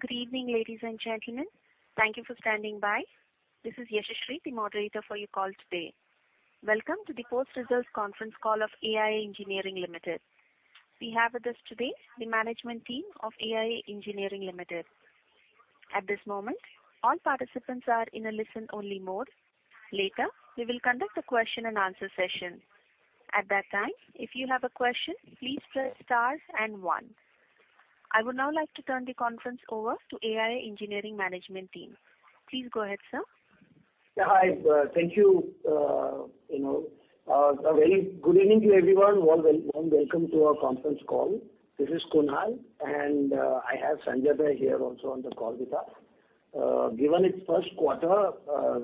Good evening, ladies and gentlemen. Thank you for standing by. This is Yashashvi, the moderator for your call today. Welcome to the Post-Results Conference Call of AI Engineering Limited. We have with us today the management team of AI Engineering Limited. At this moment, all participants are in a listen-only mode. Later, we will conduct a question-and-answer session. At that time, if you have a question, please press star and one. I would now like to turn the conference over to AI Engineering management team. Please go ahead, sir. Hi. Thank you know. A very good evening to everyone. Warm welcome to our conference call. This is Kunal, and I have Sanjay here also on the call with us. Given it's first quarter,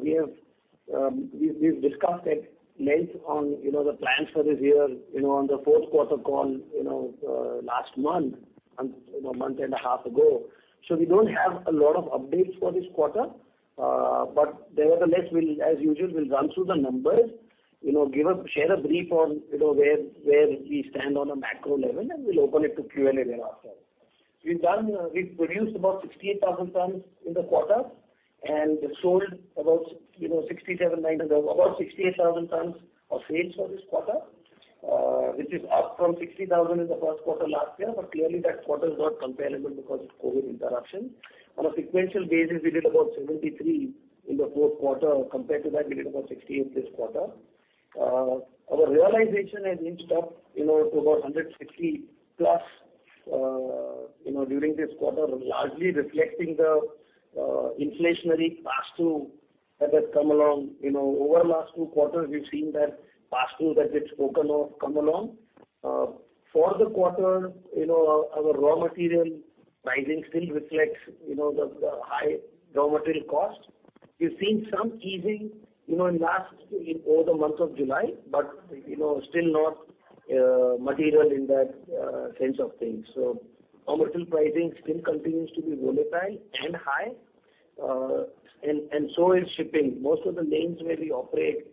we've discussed at length on, you know, the plans for this year, you know, on the fourth quarter call, you know, last month, you know, a month and a half ago. We don't have a lot of updates for this quarter. Nevertheless, we'll, as usual, we'll run through the numbers, you know, share a brief on, you know, where we stand on a macro level, and we'll open it to Q&A thereafter. We've produced about 68,000 tons in the quarter and sold about you know, 67,900, about 68,000 tons of sales for this quarter, which is up from 60,000 in the first quarter last year, but clearly that quarter is not comparable because of COVID interruption. On a sequential basis, we did about 73,000 in the fourth quarter. Compared to that, we did about 68,000 this quarter. Our realization has inched up, you know, to about $160+, you know, during this quarter, largely reflecting the inflationary pass-through that has come along. You know, over last two quarters, we've seen that pass-through that we've spoken of come along. For the quarter, you know, our raw material pricing still reflects you know, the high raw material cost. We've seen some easing, you know, in last. Increase over the month of July, but still not material in that sense of things. Raw material pricing still continues to be volatile and high, and so is shipping. Most of the lanes where we operate,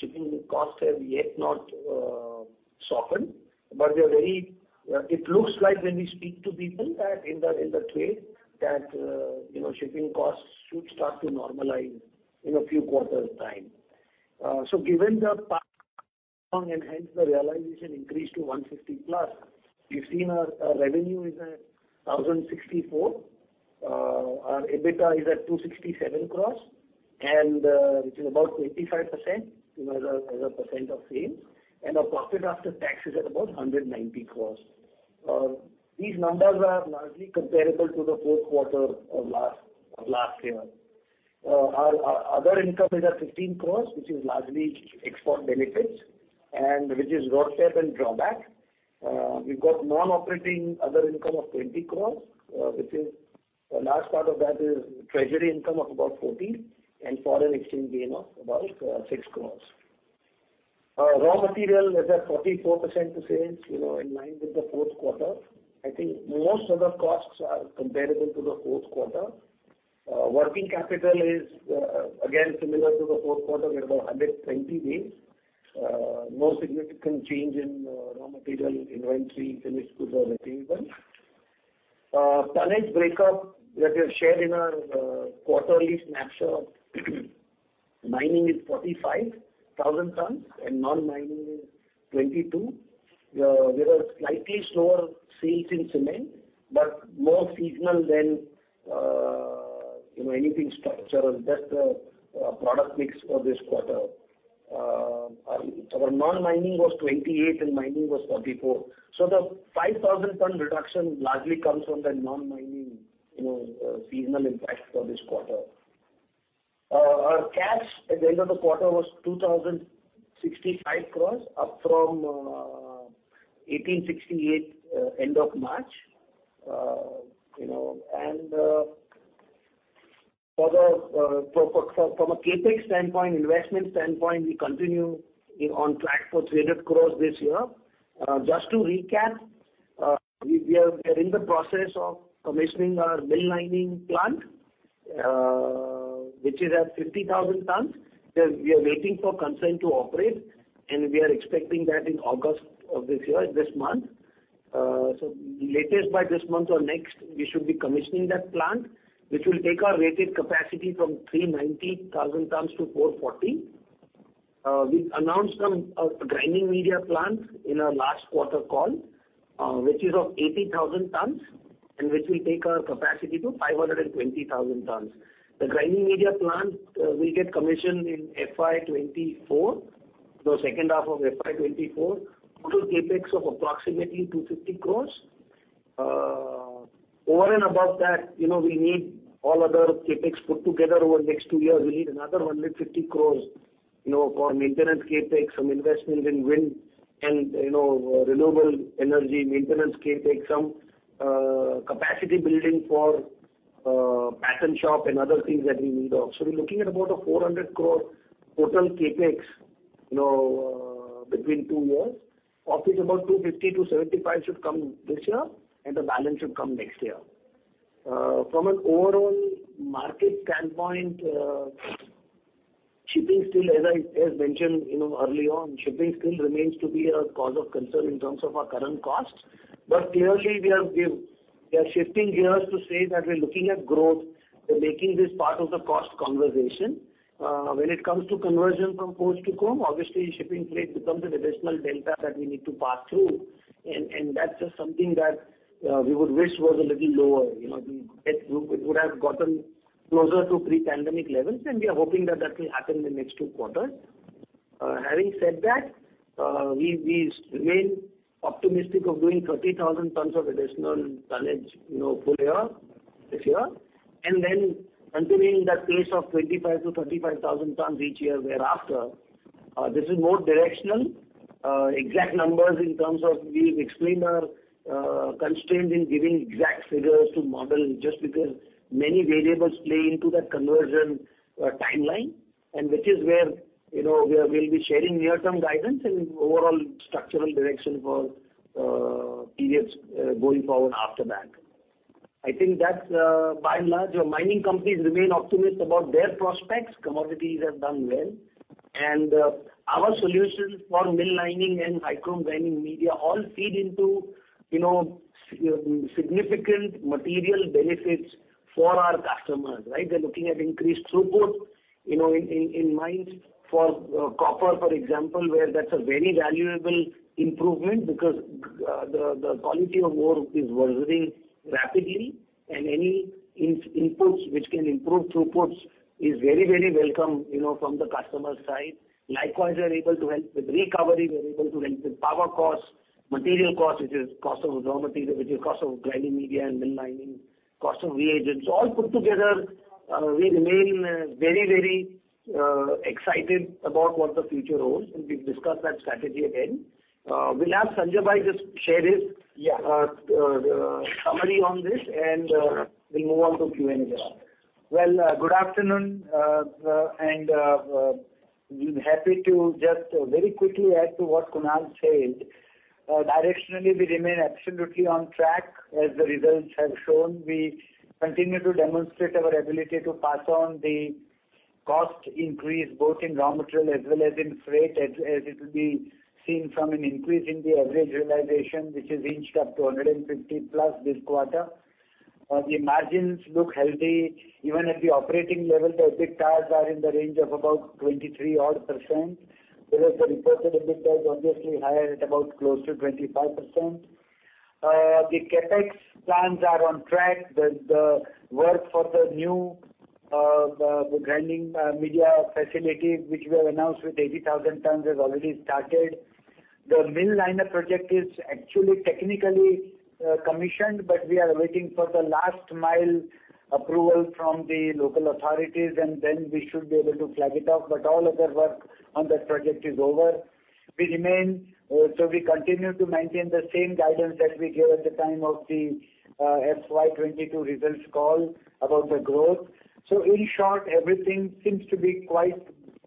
shipping costs have not yet softened. It looks like when we speak to people that in the trade, shipping costs should start to normalize in a few quarters' time. Given the pass-through and hence the realization increase to 150+, we've seen our revenue is at 1,064 crore. Our EBITDA is at 267 crore, which is about 25% as a percent of sales, and our profit after tax is at about 190 crore. These numbers are largely comparable to the fourth quarter of last year. Our other income is at 15 crores, which is largely export benefits, and which is RoDTEP and drawback. We've got non-operating other income of 20 crores, which is a large part of that is treasury income of about 14 crores and foreign exchange gain of about 6 crores. Raw material is at 44% to sales, you know, in line with the fourth quarter. I think most of the costs are comparable to the fourth quarter. Working capital is again similar to the fourth quarter. We're about 120 days. No significant change in raw material inventory, finished goods or receivables. Tonnage breakup that we have shared in our quarterly snapshot. Mining is 45,000 tons and non-mining is 22,000 tons. We have slightly slower sales in cement, but more seasonal than you know, anything structural, just a product mix for this quarter. Our non-mining was 28% and mining was 44%, so the 5,000-ton reduction largely comes from the non-mining, you know, seasonal impact for this quarter. Our cash at the end of the quarter was 2,065 crores, up from 1,868 end of March. For the from a Capex standpoint, investment standpoint, we continue on track for 300 crores this year. Just to recap, we're in the process of commissioning our mill lining plant, which is at 50,000 tons. We are waiting for consent to operate, and we are expecting that in August of this year, this month. Latest by this month or next, we should be commissioning that plant, which will take our rated capacity from 390,000 tons to 440,000 tons. We announced some grinding media plants in our last quarter call, which is of 80,000 tons and which will take our capacity to 520,000 tons. The grinding media plant will get commissioned in FY 2024, so second half of FY 2024. Total Capex of approximately 250 crores. Over and above that, you know, we need all other Capex put together over the next two years. We need another 150 crores, you know, for maintenance Capex, some investments in wind and, you know, renewable energy maintenance Capex, some capacity building for pattern shop and other things that we need also. We're looking at about 400 crore total Capex, you know, between two years. Of which about 250-75 crore should come this year, and the balance should come next year. From an overall market standpoint, shipping still remains to be a cause of concern in terms of our current costs, as mentioned, you know, early on. Clearly we are shifting gears to say that we're looking at growth, we're making this part of the cost conversation. When it comes to conversion from forged to chrome, obviously shipping freight becomes an additional delta that we need to pass through, and that's just something that we would wish was a little lower. It would have gotten closer to pre-pandemic levels, and we are hoping that that will happen in the next two quarters. Having said that, we remain optimistic of doing 30,000 tons of additional tonnage, you know, full year, this year, and then continuing that pace of 25,000-35,000 tons each year thereafter. This is more directional. Exact numbers in terms of we've explained our constraint in giving exact figures to model just because many variables play into that conversion timeline, and which is where, you know, we'll be sharing near-term guidance and overall structural direction for periods going forward after that. I think that's by and large our mining companies remain optimistic about their prospects. Commodities have done well. Our solutions for mill lining and high chrome grinding media all feed into, you know, significant material benefits for our customers, right? They're looking at increased throughput, you know, in mines for copper, for example, where that's a very valuable improvement because the quality of ore is worsening rapidly and any inputs which can improve throughputs is very welcome, you know, from the customer side. Likewise, we are able to help with recovery, we're able to help with power costs, material costs, which is cost of raw material, which is cost of grinding media and mill lining, cost of reagents. All put together, we remain very excited about what the future holds, and we've discussed that strategy again. We'll have Sanjaybhai just share his. Summary on this, we'll move on to Q&A thereafter. Good afternoon. Happy to just very quickly add to what Kunal said. Directionally we remain absolutely on track as the results have shown. We continue to demonstrate our ability to pass on the cost increase both in raw material as well as in freight as it'll be seen from an increase in the average realization which has inched up to 150+ this quarter. The margins look healthy. Even at the operating level, the EBITDA are in the range of about 23% odd, whereas the reported EBITDA obviously higher at about close to 25%. The Capex plans are on track. The work for the new grinding media facility which we have announced with 80,000 tons has already started. The mill liner project is actually technically commissioned, but we are waiting for the last mile approval from the local authorities, and then we should be able to flag it off. All other work on that project is over. We continue to maintain the same guidance that we gave at the time of the FY 2022 results call about the growth. In short, everything seems to be quite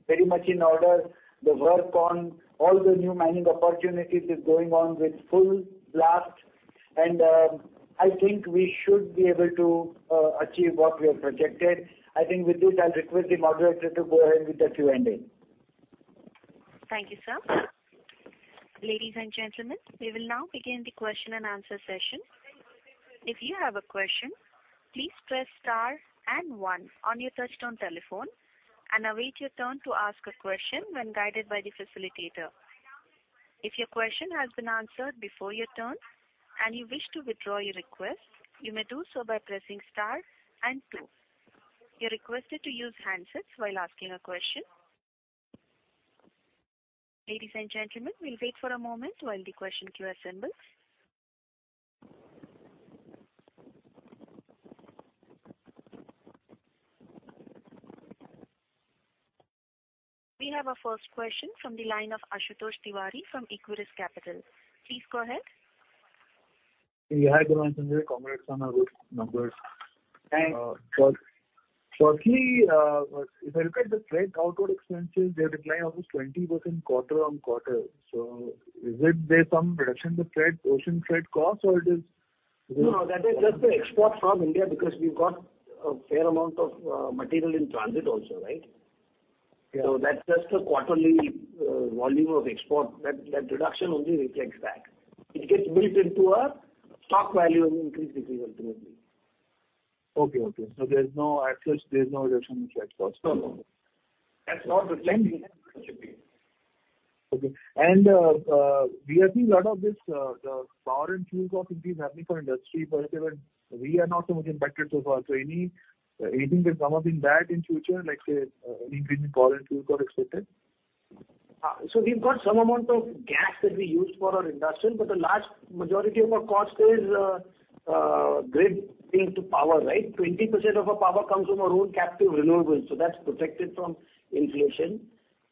very much in order. The work on all the new mining opportunities is going on with full blast and I think we should be able to achieve what we have projected. I think with this, I'll request the moderator to go ahead with the Q&A. Thank you, sir. Ladies and gentlemen, we will now begin the question and answer session. If you have a question, please press star and one on your touchtone telephone and await your turn to ask a question when guided by the facilitator. If your question has been answered before your turn and you wish to withdraw your request, you may do so by pressing star and two. You're requested to use handsets while asking a question. Ladies and gentlemen, we'll wait for a moment while the question queue assembles. We have our first question from the line of Ashutosh Tiwari from Equirus Capital. Please go ahead. Yeah. Good morning, Sanjay. Congrats on our good numbers. Thanks. Actually, if I look at the freight outward expenses, they're declining almost 20% quarter-over-quarter. Is it there's some reduction in the freight, ocean freight cost or it is- No, that is just the export from India because we've got a fair amount of material in transit also, right? Yeah. That's just a quarterly volume of export. That reduction only reflects that. It gets built into a stock value and increase, decrease ultimately. Okay. There's no access, there's no reduction in freight cost. No, no. That's not reflecting in shipping. Okay, we are seeing a lot of this, the power and fuel cost increase happening for the industry in general. We are not so much impacted so far. Anything can come up in that in the future, like say, any increase in power and fuel cost expected? We've got some amount of gas that we use for our industrial, but the large majority of our cost is grid linked to power, right? 20% of our power comes from our own captive renewables, so that's protected from inflation.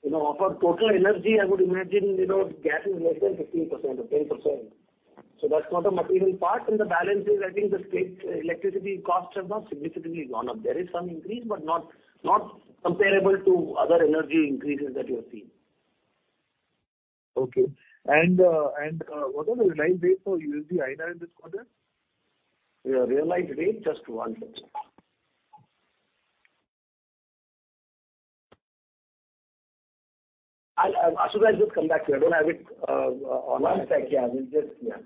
You know, of our total energy, I would imagine, you know, gas is less than 15% or 10%. That's not a material part. The balance is, I think the state electricity costs have not significantly gone up. There is some increase, but not comparable to other energy increases that you're seeing. What are the realized rates for USD/INR in this quarter? Realized rate, just one second. Ashutosh, I'll just come back to you. I don't have it online. Like, yeah, we'll just, yeah.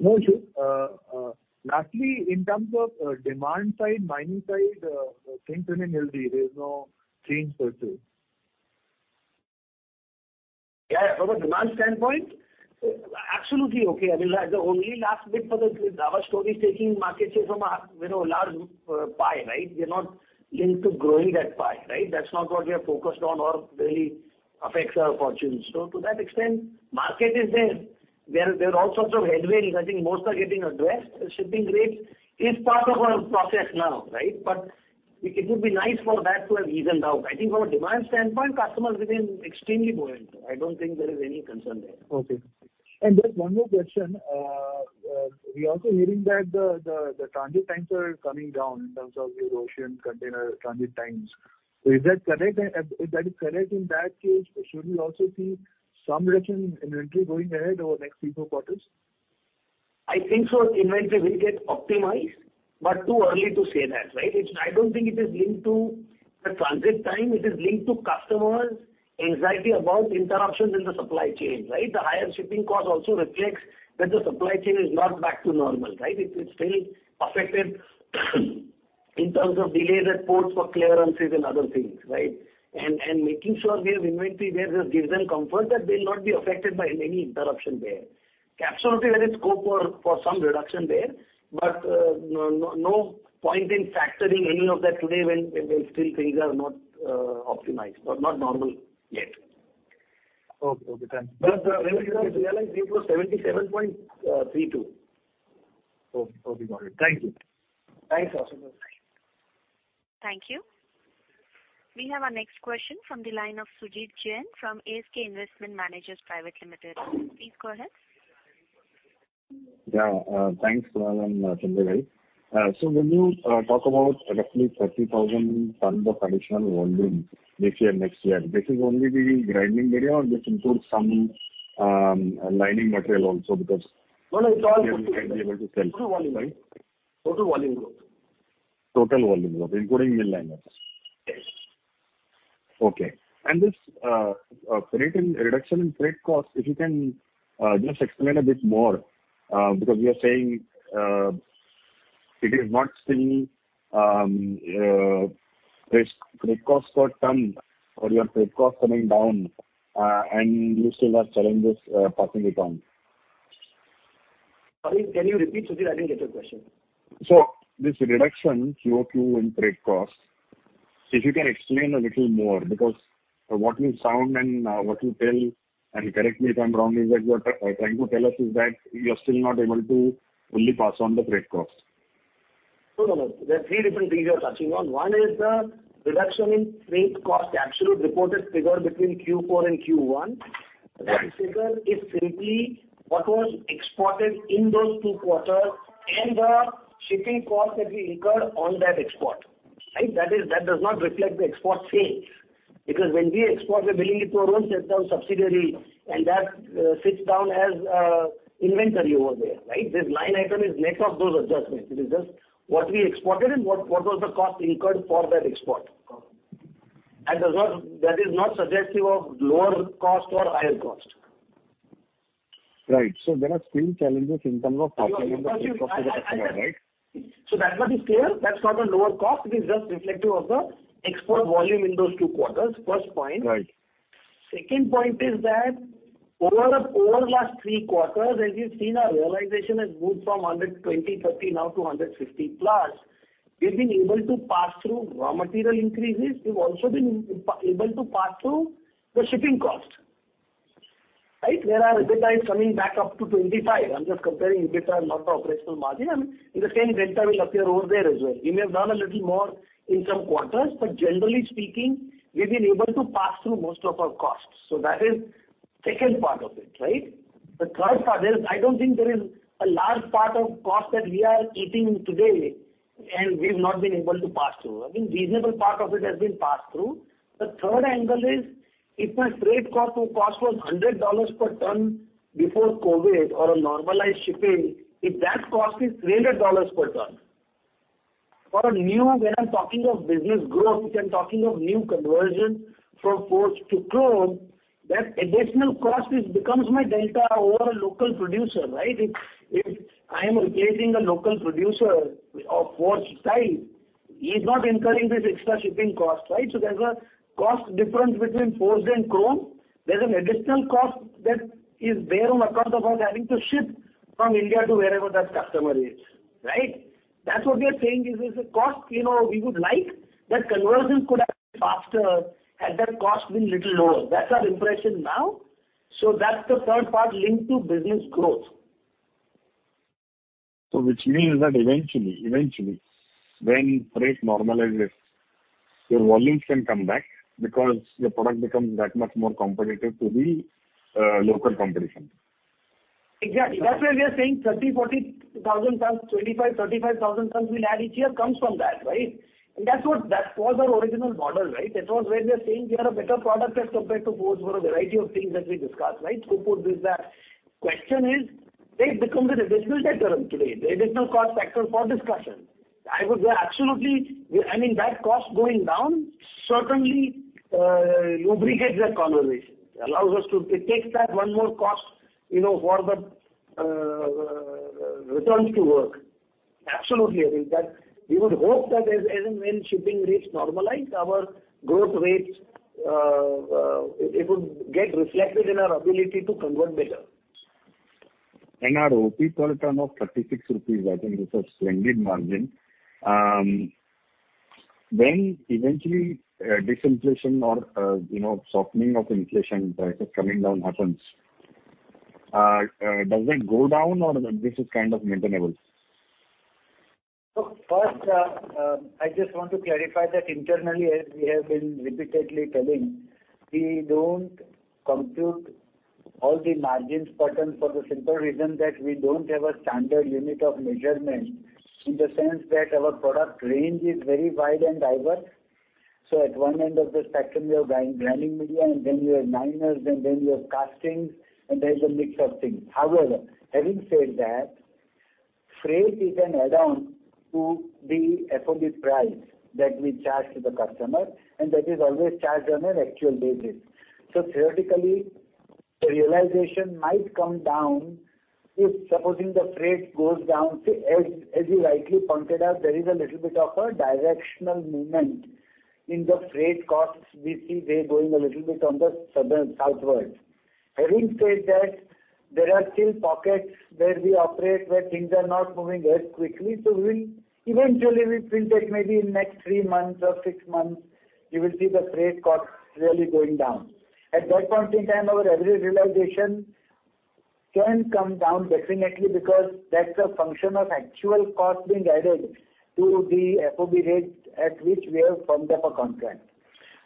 No issue. Lastly, in terms of demand side, mining side, things remain healthy. There is no change per se. Yeah, from a demand standpoint, absolutely okay. I mean, like, the only last bit for our story is taking market share from a, you know, large pie, right? We're not linked to growing that pie, right? That's not what we are focused on or really affects our fortunes. So to that extent, market is there. There are all sorts of headwinds. I think most are getting addressed. Shipping rates is part of our process now, right? It would be nice for that to have evened out. I think from a demand standpoint, customers remain extremely buoyant. I don't think there is any concern there. Okay. Just one more question. We're also hearing that the transit times are coming down in terms of your ocean container transit times. Is that correct? If that is correct, in that case, should we also see some reduction in inventory going ahead over next few quarters? I think so inventory will get optimized, but too early to say that, right? It's. I don't think it is linked to the transit time. It is linked to customers' anxiety about interruptions in the supply chain, right? The higher shipping cost also reflects that the supply chain is not back to normal, right? It's still affected in terms of delays at ports for clearances and other things, right? And making sure they have inventory there just gives them comfort that they'll not be affected by any interruption there. Absolutely, there is scope for some reduction there, but no point in factoring any of that today when there still things are not optimized or not normal yet. Okay. Okay, thanks. Plus, realized rate was 77.32. Okay. Okay, got it. Thank you. Thanks, Ashutosh. Thank you. We have our next question from the line of Sumit Jain from ASK Investment Managers Private Limited. Please go ahead. Yeah. Thanks for having me today. When you talk about roughly 30,000 tons of additional volume this year, next year, this is only the grinding area or this includes some lining material also because No, no, it's all- You will be able to sell. Total volume. Right. Total volume growth. Total volume growth, including mill liner material. Yes. Okay. This freight and reduction in freight cost, if you can just explain a bit more, because you are saying it is not still freight costs per ton or your freight cost coming down, and you still have challenges passing it on. Sorry, can you repeat, Sujit? I didn't get your question. This reduction QOQ in freight costs, if you can explain a little more, because what you sound like and what you tell, and correct me if I'm wrong, is that you're trying to tell us that you're still not able to fully pass on the freight cost. No, no. There are three different things you're touching on. One is the reduction in freight cost. The absolute reported figure between Q4 and Q1. Right. That figure is simply what was exported in those two quarters and the shipping cost that we incurred on that export. Right? That is, that does not reflect the export sales. Because when we export the billing, it goes on to our subsidiary, and that sits down as inventory over there, right? This line item is net of those adjustments. It is just what we exported and what was the cost incurred for that export. That is not suggestive of lower cost or higher cost. Right. There are still challenges in terms of passing on the cost to the customer, right? That much is clear. That's not a lower cost. It is just reflective of the export volume in those two quarters. First point. Right. Second point is that over last three quarters, as you've seen, our realization has moved from 120, 130 now to 150 plus. We've been able to pass through raw material increases. We've also been able to pass through the shipping cost. Right? Where our EBITDA is coming back up to 25%. I'm just comparing EBITDA and not the operational margin. The same delta will appear over there as well. We may have done a little more in some quarters, but generally speaking, we've been able to pass through most of our costs. That is second part of it, right? The third part is I don't think there is a large part of cost that we are eating today and we've not been able to pass through. I mean, reasonable part of it has been passed through. The third angle is if my freight cost was $100 per ton before COVID or a normalized shipping, if that cost is $300 per ton, for a new, when I'm talking of business growth and talking of new conversion from forged to chrome, that additional cost becomes my delta over a local producer, right? If I am replacing a local producer of forged type, he's not incurring this extra shipping cost, right? There's a cost difference between forged and chrome. There's an additional cost that is borne on account of us having to ship from India to wherever that customer is, right? That's what we are saying is a cost, you know. We would like that conversion could have been faster had that cost been a little lower. That's our impression now. That's the third part linked to business growth. Which means that eventually, when freight normalizes, your volumes can come back because your product becomes that much more competitive to the local competition. Exactly. That's why we are saying 30,000-40,000 tons, 25,000-35,000 tons we'll add each year comes from that, right? That's what that was our original model, right? That was where we are saying we are a better product as compared to those for a variety of things that we discussed, right? Scope would be that. Question is, they've become an additional factor today. The additional cost factor for discussion. I would say absolutely. I mean, that cost going down certainly lubricates that conversation, allows us to take that one more cost, you know, for the returns to work. Absolutely, I think that we would hope that as and when shipping rates normalize our growth rates, it would get reflected in our ability to convert better. Our OP per ton of 36 rupees, I think this is splendid margin. When eventually, disinflation or, you know, softening of inflation prices coming down happens, does it go down or this is kind of maintainable? First, I just want to clarify that internally, as we have been repeatedly telling, we don't compute all the margin patterns for the simple reason that we don't have a standard unit of measurement in the sense that our product range is very wide and diverse. At one end of the spectrum, you have grinding media, and then you have liners, and then you have castings, and there's a mix of things. However, having said that, freight is an add-on to the FOB price that we charge to the customer, and that is always charged on an actual basis. Theoretically, realization might come down if supposing the freight goes down. As you rightly pointed out, there is a little bit of a directional movement in the freight costs. We see they're going a little bit southwards. Having said that, there are still pockets where we operate, where things are not moving as quickly. We'll eventually, we think that maybe in next three months or six months, you will see the freight costs really going down. At that point in time, our average realization can come down definitely because that's a function of actual cost being added to the FOB rate at which we have firmed up a contract.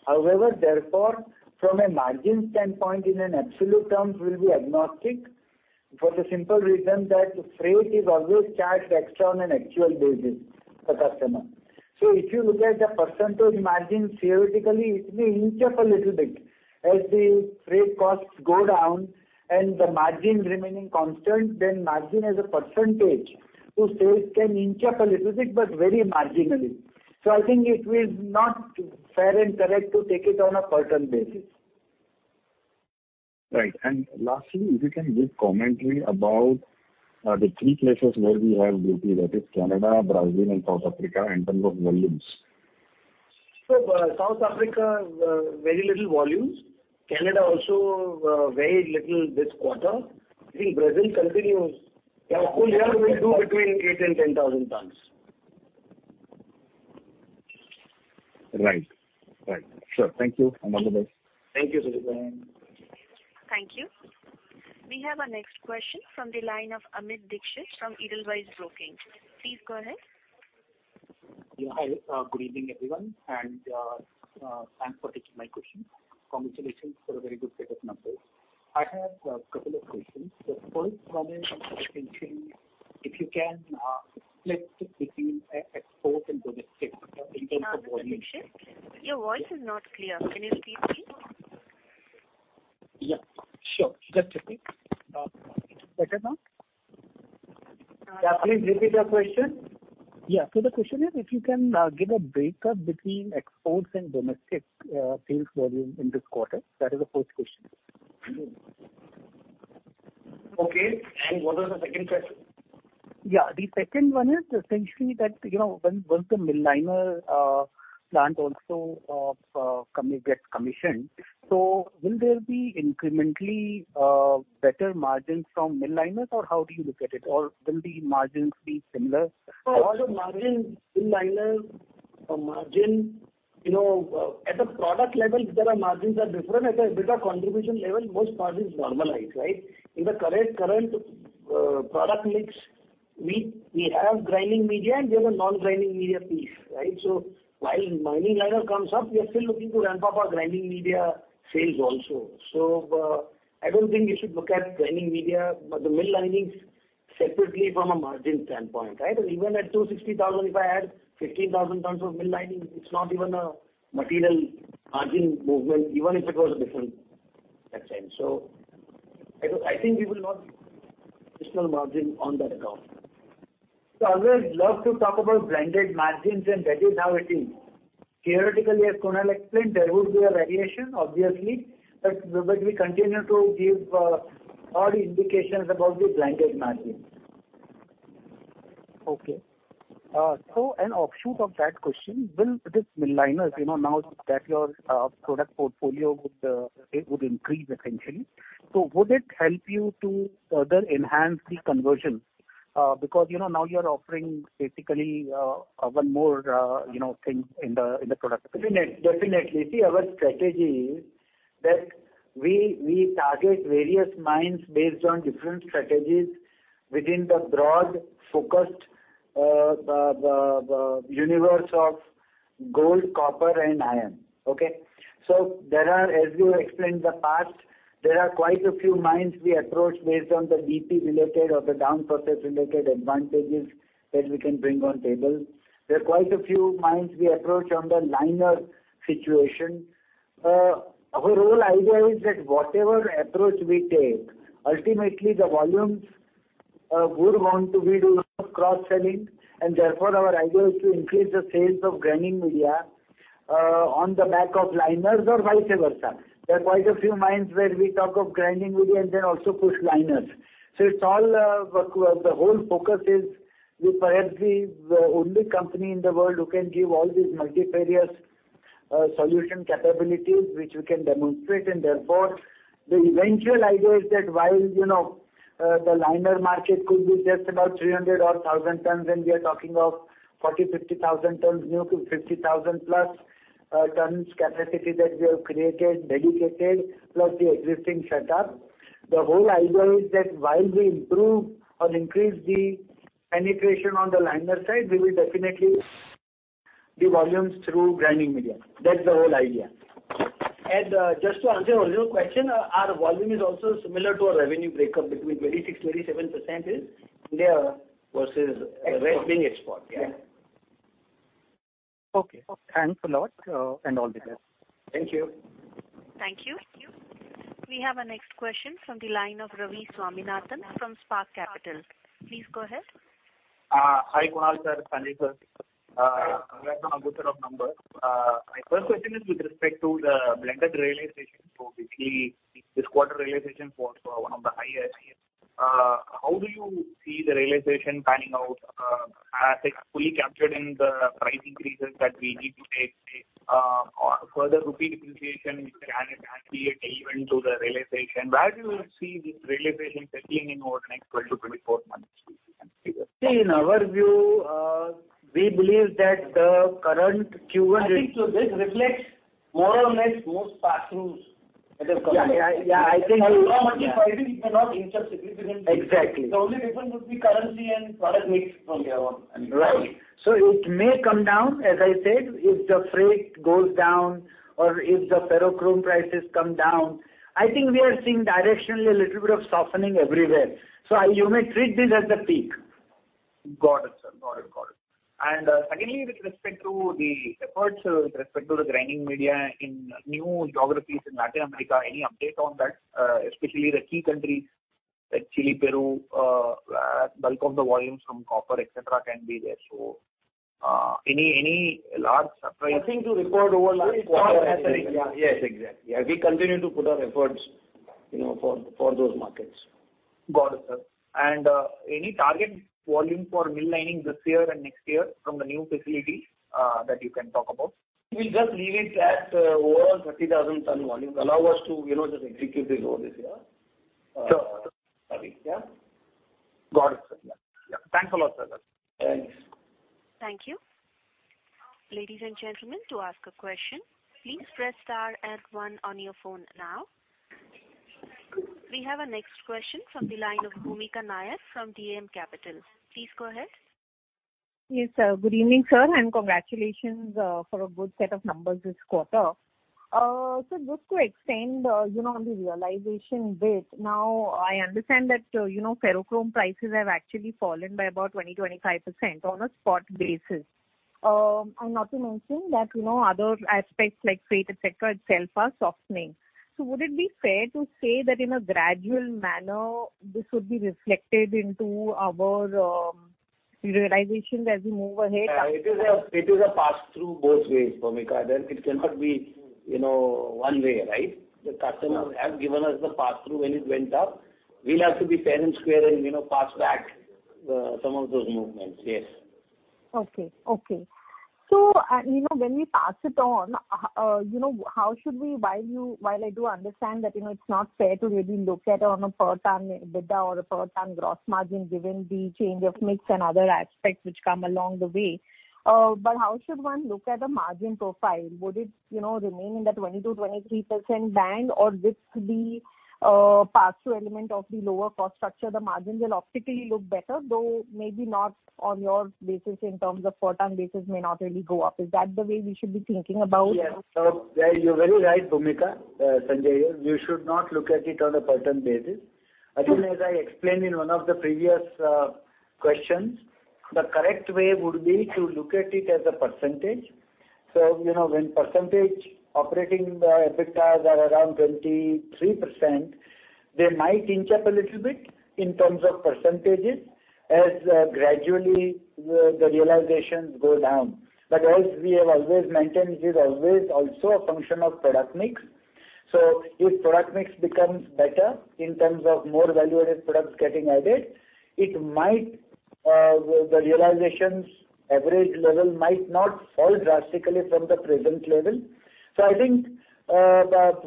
However, therefore, from a margin standpoint, in an absolute terms, we'll be agnostic for the simple reason that freight is always charged extra on an actual basis to customer. If you look at the percentage margin, theoretically, it may inch up a little bit. As the freight costs go down and the margin remaining constant, then margin as a percentage to sales can inch up a little bit, but very marginally. I think it is not fair and correct to take it on a % basis. Right. Lastly, if you can give commentary about the three places where we have GP, that is Canada, Brazil and South Africa in terms of volumes. South Africa, very little volumes. Canada also, very little this quarter. I think Brazil continues. Our full year we'll do between 8,000-10,000 tons. Right. Right. Sure. Thank you, and all the best. Thank you, Sumit. Thank you. We have our next question from the line of Amit Dixit from Edelweiss Broking. Please go ahead. Yeah, hi. Good evening, everyone, and thanks for taking my question. Congratulations for a very good set of numbers. I have a couple of questions. The first one is, essentially, if you can split between export and domestic in terms of volume. Mr. Dixit, your voice is not clear. Can you please speak? Yeah, sure. Just a sec. Is it better now? Please repeat your question. Yeah. The question is if you can give a break-up between exports and domestic sales volume in this quarter. That is the first question. Okay. What was the second question? Yeah. The second one is essentially that, you know, when once the mill liner plant also gets commissioned, so will there be incrementally better margins from mill liners, or how do you look at it? Or will the margins be similar? All the margins, mill liner margin, you know, at the product level there are margins are different. At the EBITDA contribution level, most part is normalized, right? In the correct current product mix, we have grinding media and we have a non-grinding media piece, right? I don't think you should look at grinding media, but the mill linings separately from a margin standpoint, right? Even at 260,000, if I add 15,000 tons of mill lining, it's not even a material margin movement, even if it was different that time. I think we will not additional margin on that account. I always love to talk about blended margins, and that is how it is. Theoretically, as Kunal explained, there will be a variation, obviously, but we continue to give all indications about the blended margins. Okay. An offshoot of that question, will this mill liners, you know, now that your product portfolio would increase essentially. Would it help you to further enhance the conversions? Because, you know, now you are offering basically one more, you know, thing in the product. Definitely. See, our strategy is that we target various mines based on different strategies. Within the broad focused, the universe of gold, copper and iron. Okay? There are, as you explained in the past, quite a few mines we approach based on the downstream process related or the downstream process related advantages that we can bring to the table. There are quite a few mines we approach on the liner situation. Our whole idea is that whatever approach we take, ultimately the volumes would want to be doing cross-selling, and therefore our idea is to increase the sales of grinding media on the back of liners or vice versa. There are quite a few mines where we talk of grinding media and then also push liners. It's all work where the whole focus is we're perhaps the only company in the world who can give all these multifarious solution capabilities which we can demonstrate. Therefore, the eventual idea is that while, you know, the liner market could be just about 300 or 1,000 tons, and we are talking of 40-50,000 tons, new to 50,000+ tons capacity that we have created, dedicated, plus the existing setup. The whole idea is that while we improve or increase the penetration on the liner side, we will definitely the volumes through grinding media. That's the whole idea. Just to answer your question, our volume is also similar to our revenue breakup between 26%-27% is India versus the rest being export. Okay. Thanks a lot, and all the best. Thank you. Thank you. We have our next question from the line of Ravi Swaminathan from Spark Capital. Please go ahead. Hi, Kunal sir, Sanjay sir. Congrats on good set of numbers. My first question is with respect to the blended realization. Basically, this quarter realization was one of the highest. How do you see the realization panning out, as it's fully captured in the price increases that we need to take, or further rupee depreciation, can it create a tailwind to the realization? Where do you see this realization settling in over the next 12-24 months? See, in our view, we believe that the current Q1. I think so this reflects more or less most pass-throughs that have come in. Yeah. I think The raw material pricing may not inch up significantly. Exactly. The only difference would be currency and product mix from here on. Right. It may come down, as I said, if the freight goes down or if the ferrochrome prices come down. I think we are seeing directionally a little bit of softening everywhere. You may treat this as the peak. Got it, sir. Secondly, with respect to the efforts with respect to the grinding media in new geographies in Latin America, any update on that? Especially the key countries like Chile, Peru, where bulk of the volumes from copper, et cetera, can be there. Any large surprise. Nothing to report over last quarter. It's not happening. Yeah. Yes, exactly. We continue to put our efforts, you know, for those markets. Got it, sir. Any target volume for mill lining this year and next year from the new facility that you can talk about? We'll just leave it at over 30,000 tons volume. Allow us to, you know, just execute this over this year. Sure. Yeah. Got it. Thanks a lot, sir. Thanks. Thank you. Ladies and gentlemen, to ask a question, please press star and one on your phone now. We have our next question from the line of Bhoomika Nair from DAM Capital. Please go ahead. Yes, good evening, sir, and congratulations for a good set of numbers this quarter. Just to extend, you know, on the realization bit, now I understand that, you know, ferrochrome prices have actually fallen by about 20-25% on a spot basis. And not to mention that, you know, other aspects like freight et cetera itself are softening. Would it be fair to say that in a gradual manner, this would be reflected into our realizations as we move ahead? It is a pass-through both ways, Bhoomika. That it cannot be, you know, one way, right? The customer has given us the pass-through when it went up. We'll have to be fair and square and, you know, pass back some of those movements. Yes. Okay. You know, when we pass it on, you know, how should we, while I do understand that, you know, it's not fair to really look at it on a per ton EBITDA or a per ton gross margin given the change of mix and other aspects which come along the way. How should one look at the margin profile? Would it, you know, remain in the 20%-23% band? Or with the pass-through element of the lower cost structure, the margin will optically look better, though maybe not on your basis in terms of per ton basis may not really go up. Is that the way we should be thinking about? Yes. Well, you're very right, Bhoomika. Sanjay here. You should not look at it on a per ton basis. Again, as I explained in one of the previous questions, the correct way would be to look at it as a percentage. You know, when operating EBITDA percentages are around 23%, they might inch up a little bit in terms of percentages as gradually the realizations go down. But as we have always maintained, it is always also a function of product mix. If product mix becomes better in terms of more value-added products getting added, the realizations average level might not fall drastically from the present level. I think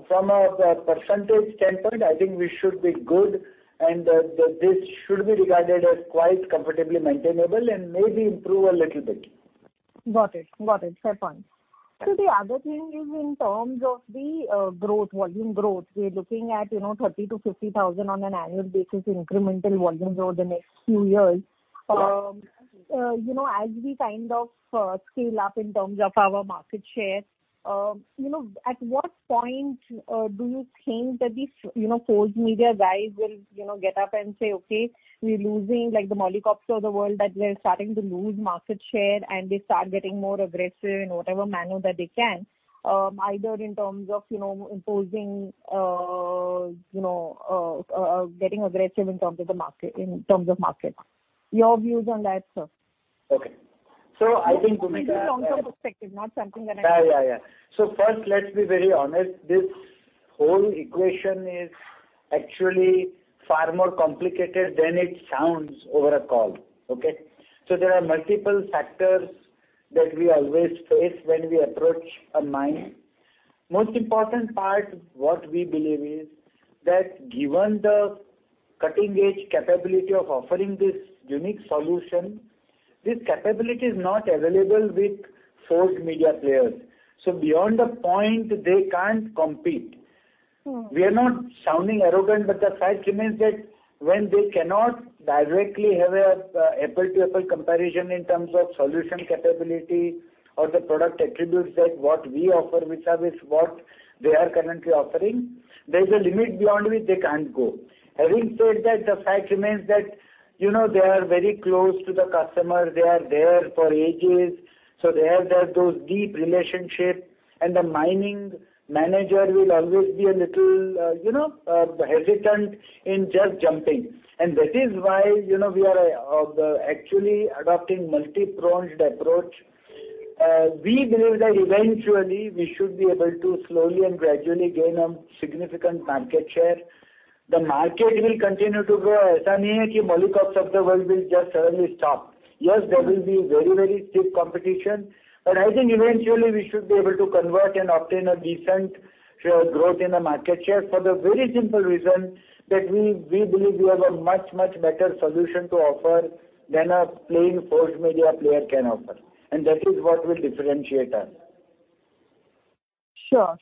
from a percentage standpoint, I think we should be good and this should be regarded as quite comfortably maintainable and maybe improve a little bit. Got it. Fair point. The other thing is in terms of the growth, volume growth, we're looking at, you know, 30,000-50,000 on an annual basis incremental volumes over the next few years. You know, as we kind of scale up in terms of our market share, you know, at what point do you think that these, you know, forged media guys will, you know, get up and say, "Okay, we're losing," like the Magotteaux of the world, that they're starting to lose market share and they start getting more aggressive in whatever manner that they can, either in terms of, you know, imposing, you know, getting aggressive in terms of the market, in terms of market. Your views on that, sir. Okay. I think, Bhoomika This is a long-term perspective, not something. Yeah, yeah. First, let's be very honest. This whole equation is actually far more complicated than it sounds over a call, okay? There are multiple factors that we always face when we approach a mine. Most important part, what we believe is that given the cutting-edge capability of offering this unique solution, this capability is not available with forged media players. Beyond a point they can't compete. We are not sounding arrogant, but the fact remains that when they cannot directly have an apples-to-apples comparison in terms of solution capability or the product attributes than what we offer vis-à-vis what they are currently offering, there's a limit beyond which they can't go. Having said that, the fact remains that, you know, they are very close to the customer. They are there for ages. They have that, those deep relationships and the mining manager will always be a little, you know, hesitant in just jumping. That is why, you know, we are actually adopting multi-pronged approach. We believe that eventually we should be able to slowly and gradually gain a significant market share. The market will continue to grow.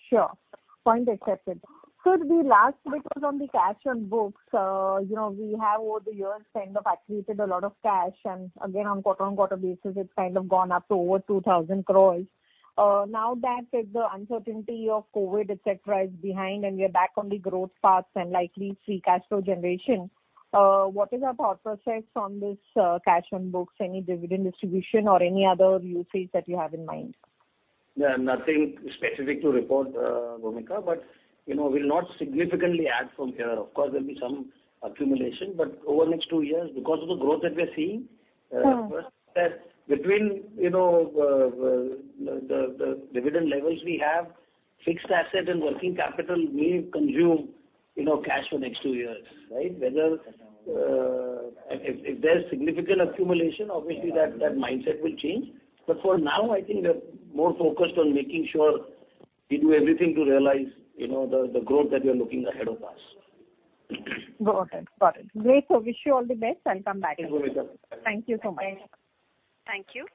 Sure. Point accepted. The last bit was on the cash on books. You know, we have over the years kind of accumulated a lot of cash, and again, on quarter-on-quarter basis, it's kind of gone up to over 2,000 crores. Now that the uncertainty of COVID, etc., is behind and we are back on the growth path and likely free cash flow generation, what is our thought process on this cash on books? Any dividend distribution or any other usage that you have in mind? Yeah, nothing specific to report, Bhoomika, but, you know, we'll not significantly add from here. Of course, there'll be some accumulation, but over the next two years, because of the growth that we're seeing. oBetween, you know, the dividend levels we have, fixed asset and working capital may consume, you know, cash for next two years, right? Whether if there's significant accumulation, obviously that mindset will change. For now, I think we're more focused on making sure we do everything to realize, you know, the growth that we are looking ahead of us. Got it. Great. Wish you all the best, I'll come back again. Thank you, Bhoomika. Thank you so much. Thank you.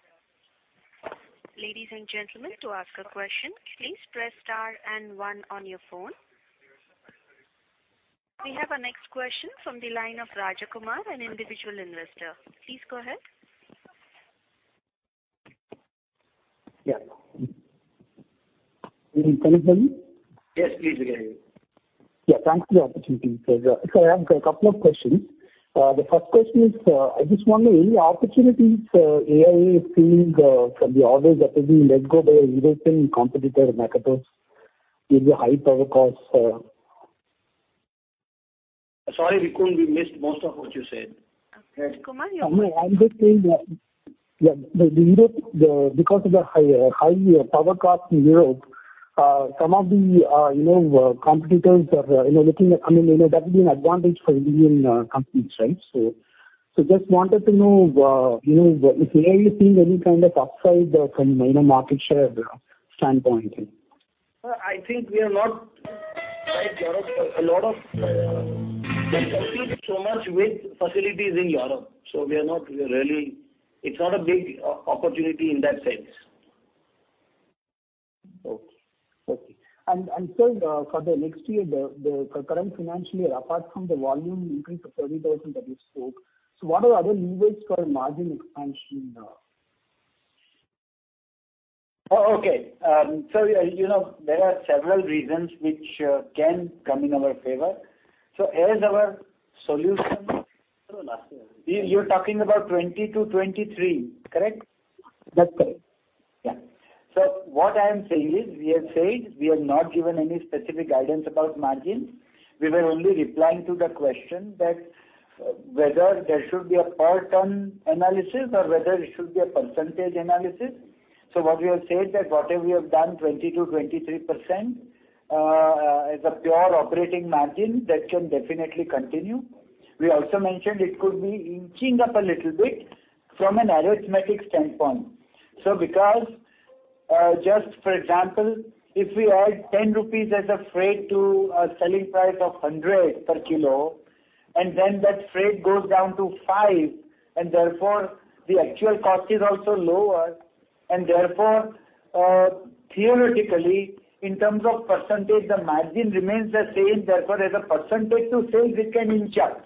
Ladies and gentlemen, to ask a question, please press star and one on your phone. We have our next question from the line of Raja Kumar, an individual investor. Please go ahead. Yeah. Can you hear me? Yes, please. Yeah, thanks for the opportunity. I have a couple of questions. The first question is, any opportunities AI is seeing from the orders that have been let go by European competitor, Magotteaux, due to high power costs? Sorry, we couldn't. We missed most of what you said. Raja Kumar, your- I'm just saying that, yeah, because of the high power costs in Europe, some of the, you know, competitors, you know, I mean, you know, that would be an advantage for Indian companies, right? Just wanted to know, you know, if AI is seeing any kind of upside from, you know, market share standpoint? I think we are not like Europe. A lot of they compete so much with facilities in Europe, so we are not really. It's not a big opportunity in that sense. sir, for the next year, the current financial year, apart from the volume increase of 30,000 that you spoke, so what are other levers for margin expansion now? Oh, okay. You know, there are several reasons which can come in our favor. As our solution. No, last year. You, you're talking about 2022, 2023, correct? That's correct. Yeah. What I am saying is we have said we have not given any specific guidance about margins. We were only replying to the question that whether there should be a per ton analysis or whether it should be a percentage analysis. What we have said that whatever we have done, 20%-23%, is a pure operating margin that can definitely continue. We also mentioned it could be inching up a little bit from an arithmetic standpoint. Because just for example, if we add 10 rupees as a freight to a selling price of 100 per kilo, and then that freight goes down to 5 and therefore the actual cost is also lower and therefore, theoretically in terms of percentage, the margin remains the same. Therefore, as a percentage to sales it can inch up.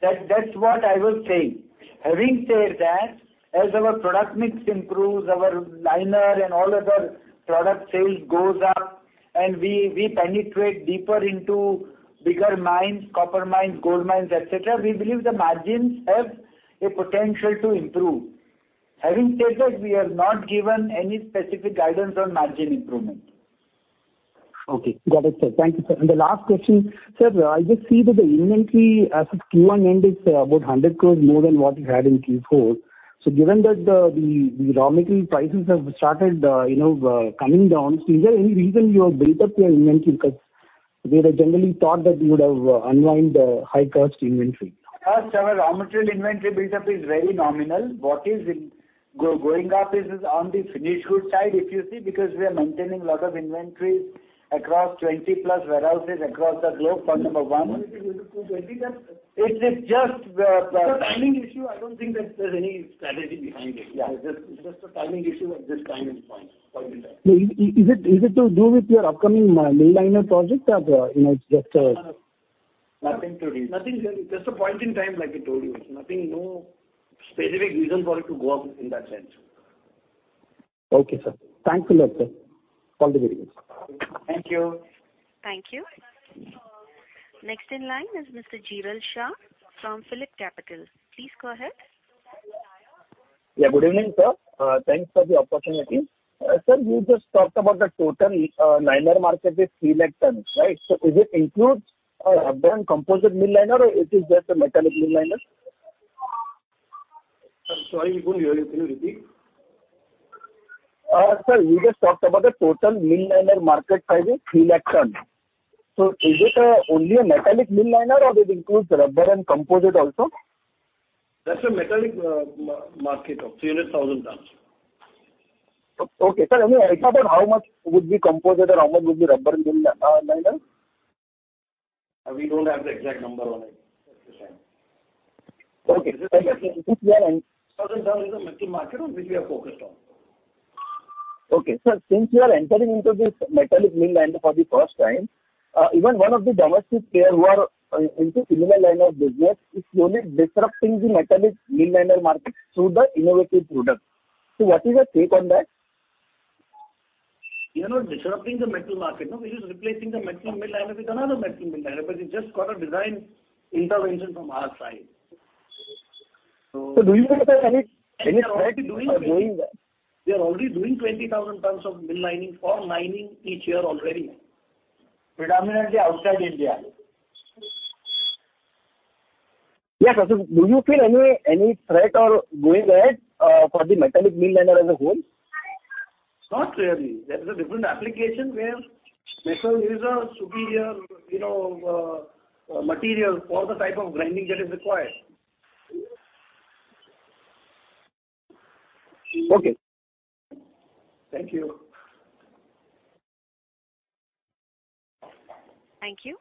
That's what I was saying. Having said that, as our product mix improves, our liner and all other product sales goes up and we penetrate deeper into bigger mines, copper mines, gold mines, et cetera, we believe the margins have a potential to improve. Having said that, we have not given any specific guidance on margin improvement. Okay. Got it, sir. Thank you, sir. The last question, sir, I just see that the inventory as of Q1 end is about 100 crores more than what you had in Q4. Given that the raw material prices have started, you know, coming down, is there any reason you have built up your inventory? Because we had generally thought that you would have unwind the high cost inventory. First, our raw material inventory build-up is very nominal. What is going up is on the finished goods side, if you see, because we are maintaining a lot of inventory across 20+ warehouses across the globe, point number one. It's just. It's a timing issue. I don't think that there's any strategy behind it. Yeah. It's just a timing issue at this time and point in time. No. Is it to do with your upcoming mill liner project or, you know, it's just a... Nothing to do. Nothing. Just a point in time, like I told you. It's nothing, no specific reason for it to go up in that sense. Okay, sir. Thank you a lot, sir, for the details. Thank you. Thank you. Next in line is Mr. Dhiral Shah from PhillipCapital. Please go ahead. Yeah, good evening, sir. Thanks for the opportunity. Sir, you just talked about the total liner market is 300,000 tons, right? Is it includes rubber and composite mill liner or it is just a metallic mill liner? Sir, sorry, we couldn't hear you clearly. Repeat. Sir, you just talked about the total mill liner market size is 300,000 tons. Is it only a metallic mill liner or it includes rubber and composite also? That's a metallic market of 300,000 tons. Okay, sir. Any idea about how much would be composite and how much would be rubber in mill liner? We don't have the exact number on it at this time. Okay. 1,000 ton is the metal market on which we are focused on. Sir, since you are entering into this metallic mill liner for the first time, even one of the domestic player who are into mill liner business is slowly disrupting the metallic mill liner market through the innovative product. What is your take on that? We are not disrupting the metal market. No. We're just replacing the metal mill liner with another metal mill liner, but it's just got a design intervention from our side. Do you feel that any threat or going ahead? We are already doing 20,000 tons of mill lining for mining each year already. Predominantly outside India. Yeah. Do you feel any threat or going ahead for the metallic mill liner as a whole? Not really. That is a different application where metal is a superior, you know, material for the type of grinding that is required. Okay. Thank you. Thank you.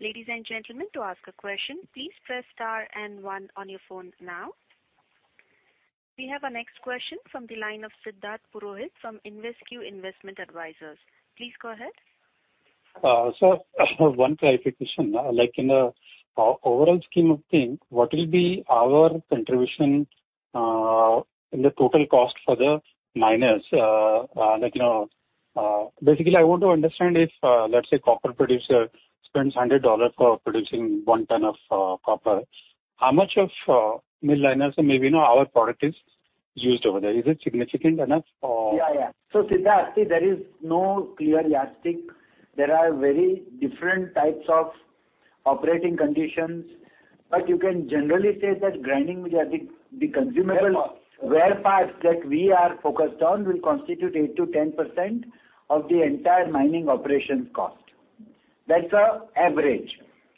Ladies and gentlemen, to ask a question, please press star and one on your phone now. We have our next question from the line of Siddharth Purohit from InvesQ Investment Advisors. Please go ahead. Sir, one clarification. Like in the overall scheme of things, what will be our contribution in the total cost for the miners? Like, you know, basically I want to understand if, let's say copper producer spends $100 for producing 1 ton of copper, how much of mill liners or maybe, you know, our product is used over there. Is it significant enough or- Yeah, yeah. Siddharth, see there is no clear yardstick. There are very different types of operating conditions. You can generally say that grinding media, the consumable- Wear parts. Wear parts that we are focused on will constitute 8%-10% of the entire mining operations cost. That's an average.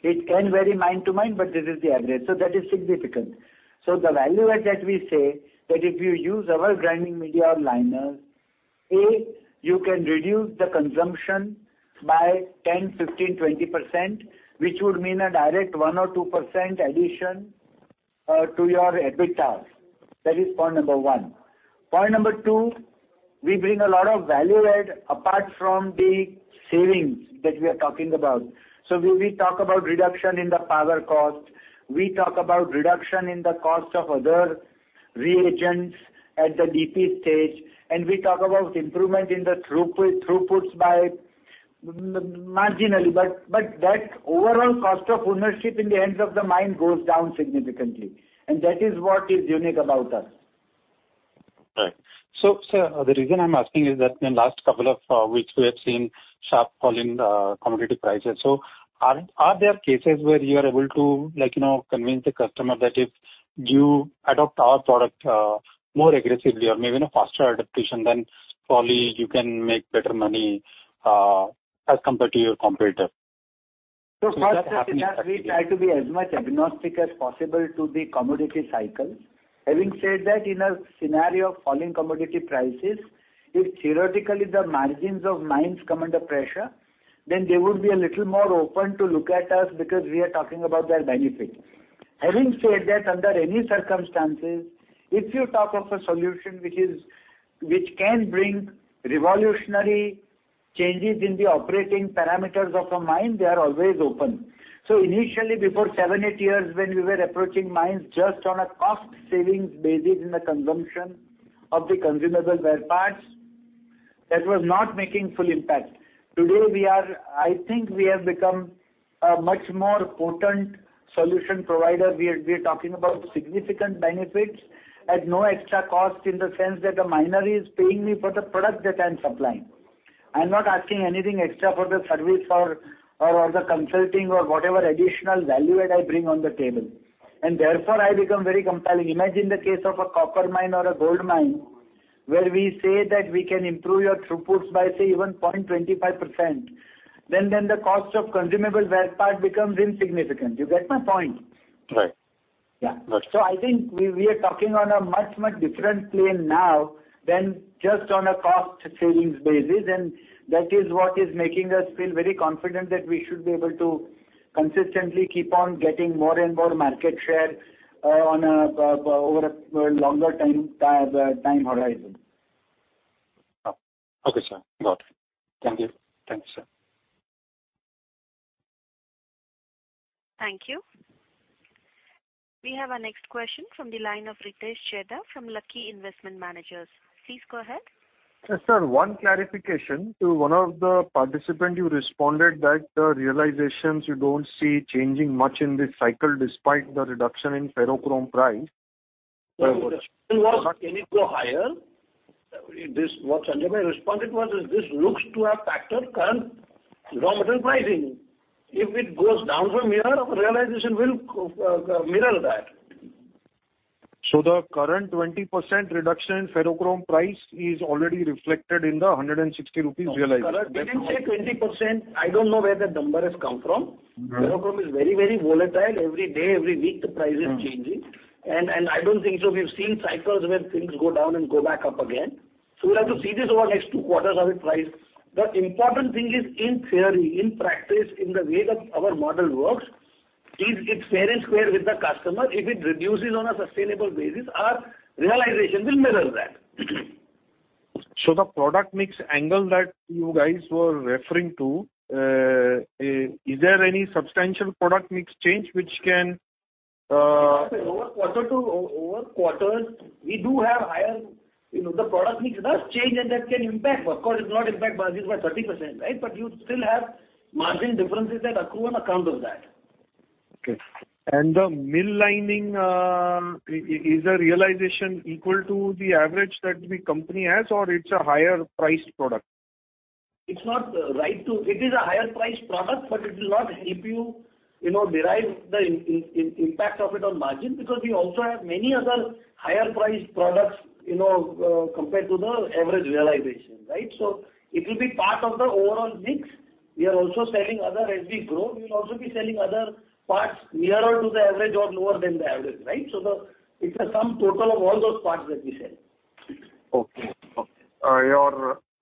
It can vary mine to mine, but this is the average. That is significant. The value add that we say that if you use our grinding media or liner, A, you can reduce the consumption by 10%, 15%, 20%, which would mean a direct 1%-2% addition to your EBITDA. That is point number one. Point number two, we bring a lot of value add apart from the savings that we are talking about. We talk about reduction in the power cost, we talk about reduction in the cost of other reagents at the DP stage, and we talk about improvement in the throughput by marginally. that overall cost of ownership in the hands of the mine goes down significantly. That is what is unique about us. Right. Sir, the reason I'm asking is that in the last couple of weeks we have seen sharp fall in commodity prices. Are there cases where you are able to like, you know, convince the customer that if you adopt our product more aggressively or maybe in a faster adaptation, then probably you can make better money as compared to your competitor? First, we try to be as much agnostic as possible to the commodity cycles. Having said that, in a scenario of falling commodity prices, if theoretically the margins of mines come under pressure, then they would be a little more open to look at us because we are talking about their benefit. Having said that, under any circumstances, if you talk of a solution which can bring revolutionary changes in the operating parameters of a mine, they are always open. Initially, before 7-8 years, when we were approaching mines just on a cost savings basis in the consumption of the consumable wear parts, that was not making full impact. Today, we are. I think we have become a much more potent solution provider. We are talking about significant benefits at no extra cost in the sense that the miner is paying me for the product that I'm supplying. I'm not asking anything extra for the service or the consulting or whatever additional value add I bring on the table. Therefore, I become very compelling. Imagine the case of a copper mine or a gold mine, where we say that we can improve your throughputs by, say, even 0.25%. Then the cost of consumable wear part becomes insignificant. You get my point? Right. Yeah. I think we are talking on a much different plane now than just on a cost savings basis. That is what is making us feel very confident that we should be able to consistently keep on getting more and more market share over a longer time horizon. Oh, okay, sir. Got it. Thank you. Thanks, sir. Thank you. We have our next question from the line of Ritesh Jha from Lucky Investment Managers. Please go ahead. Yes, sir, one clarification. To one of the participant, you responded that the realizations you don't see changing much in this cycle despite the reduction in ferrochrome price. Can it go higher? What Sanjay responded was is this looks to have factored current raw material pricing. If it goes down from here, our realization will mirror that. The current 20% reduction in ferrochrome price is already reflected in the 160 rupees realization. I didn't say 20%. I don't know where that number has come from. Ferrochrome is very, very volatile. Every day, every week, the price is changing. I don't think so. We've seen cycles where things go down and go back up again. We'll have to see this over the next two quarters how it plays. The important thing is, in theory, in practice, in the way that our model works, is it's fair and square with the customer. If it reduces on a sustainable basis, our realization will mirror that. The product mix angle that you guys were referring to, is there any substantial product mix change which can? Over quarters, we do have higher. You know, the product mix does change and that can impact. Of course, it'll not impact margins by 30%, right? You still have margin differences that accrue on account of that. Okay. The mill lining is the realization equal to the average that the company has or it's a higher priced product? It is a higher priced product, but it will not help you know, derive the impact of it on margin because we also have many other higher priced products, you know, compared to the average realization, right? It will be part of the overall mix. As we grow, we will also be selling other parts nearer to the average or lower than the average, right? It's a sum total of all those parts that we sell. Okay.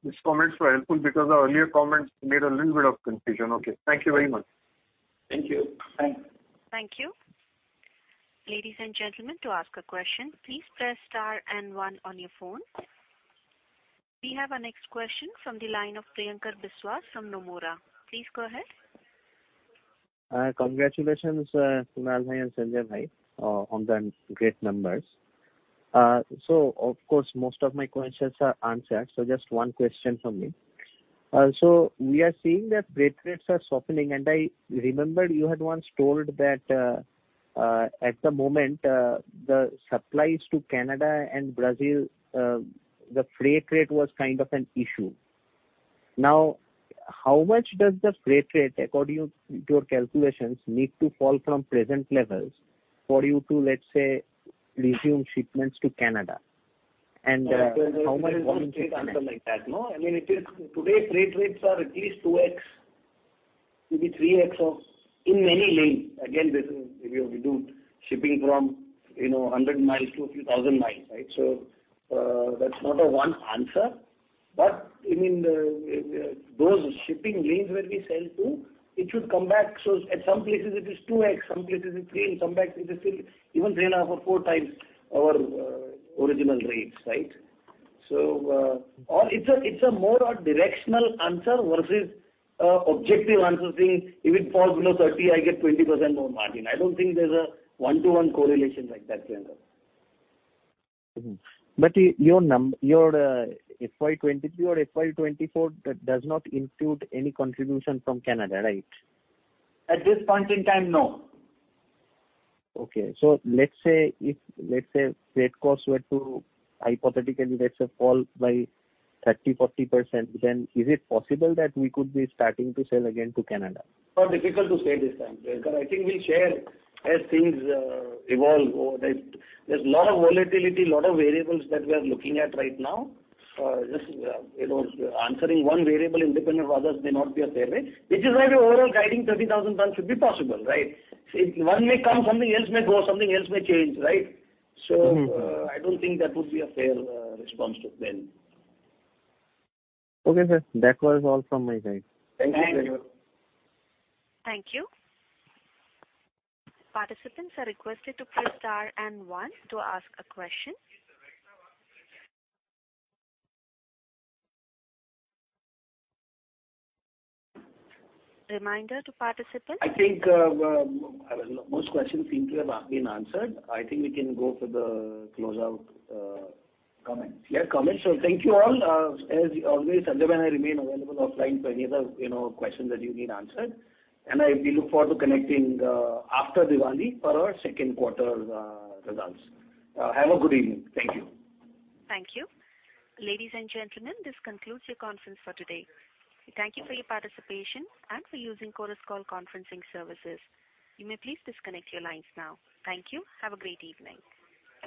These comments were helpful because the earlier comments made a little bit of confusion. Okay. Thank you very much. Thank you. Thanks. Thank you. Ladies and gentlemen, to ask a question, please press star and one on your phone. We have our next question from the line of Priyankar Biswas from Nomura. Please go ahead. Congratulations, Kunal Shah and Sanjay Majmudar, on the great numbers. Of course, most of my questions are answered, so just one question from me. We are seeing that freight rates are softening, and I remember you had once told that, at the moment, the supplies to Canada and Brazil, the freight rate was kind of an issue. Now, how much does the freight rate, according to your calculations, need to fall from present levels for you to, let's say, resume shipments to Canada? How much- There is no straight answer like that. No, I mean, it is today's freight rates are at least 2x, maybe 3x of in many lanes. Again, this is, you know, we do shipping from, you know, 100 miles to a few thousand miles, right? That's not a one answer. I mean, those shipping lanes where we sell to, it should come back. At some places it is 2x, some places it's 3, in some places it is still even 3.5 or 4 times our original rates, right? Or it's a more directional answer versus objective answer saying if it falls below 30, I get 20% more margin. I don't think there's a one-to-one correlation like that, Priyankar. Your FY2023 or FY2024 does not include any contribution from Canada, right? At this point in time, no. Let's say if freight costs were to hypothetically fall by 30%-40%, then is it possible that we could be starting to sell again to Canada? More difficult to say this time, Priyankar. I think we'll share as things evolve or that there's a lot of volatility, lot of variables that we are looking at right now. Just, you know, answering one variable independent of others may not be a fair way, which is why the overall guiding 30,000 tons should be possible, right? One may come, something else may go, something else may change, right? I don't think that would be a fair response to tell. Okay, sir. That was all from my side. Thank you. Thank you. Thank you. Participants are requested to press star and one to ask a question. Reminder to participants. I think most questions seem to have been answered. I think we can go for the closeout. Comments. Yeah, comments. Thank you all. As always, Sanjay and I remain available offline for any other, you know, questions that you need answered. We look forward to connecting after Diwali for our second quarter results. Have a good evening. Thank you. Thank you. Ladies and gentlemen, this concludes your conference for today. Thank you for your participation and for using Chorus Call Conferencing Services. You may please disconnect your lines now. Thank you. Have a great evening.